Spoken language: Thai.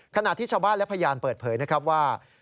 ขณะที่ชาวบ้านและพยานเปิดเผยนะครับว่า